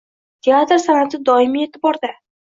Teatr san’ati doimiy e’tibordang